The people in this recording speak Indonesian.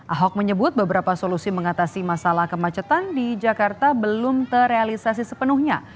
ahok menyebut beberapa solusi mengatasi masalah kemacetan di jakarta belum terrealisasi sepenuhnya